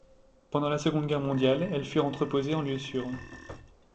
Pendant la Seconde Guerre mondiale, elles furent entreposées en lieux sûrs.